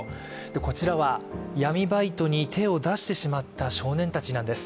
こちらは、闇バイトに手を出してしまった少年たちなんです。